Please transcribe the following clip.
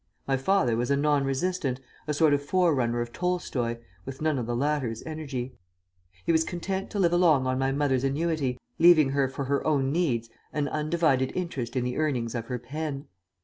My father was a non resistant, a sort of forerunner of Tolstoï, with none of the latter's energy. He was content to live along on my mother's annuity, leaving her for her own needs an undivided interest in the earnings of her pen."